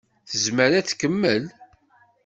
Tezmer ad tkemmel?